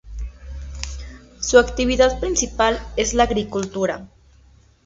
Su actividad principal es la agricultura.